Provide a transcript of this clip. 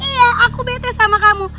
iya aku bete sama kamu